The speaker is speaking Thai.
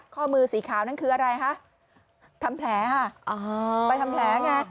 ข้อมือสีขาวนั่นคืออะไรคะทำแผลค่ะไปทำแผลไง